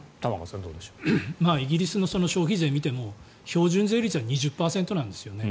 イギリスの消費税を見ても標準税率は２０％なんですよね。